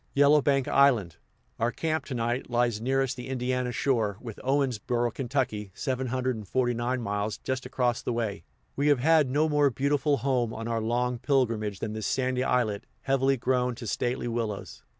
Yellowbank Island, our camp to night, lies nearest the Indiana shore, with Owensboro, Ky. (749 miles), just across the way. We have had no more beautiful home on our long pilgrimage than this sandy islet, heavily grown to stately willows.